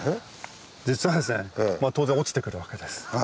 実はまあ当然落ちてくるわけです。